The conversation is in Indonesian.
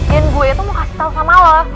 dan gue itu mau kasih tau sama lo